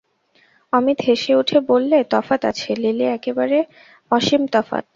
অমিত হেসে উঠে বললে, তফাত আছে, লিলি, একেবারে অসীম তফাত।